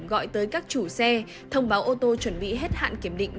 gọi tới các chủ xe thông báo ô tô chuẩn bị hết hạn kiểm định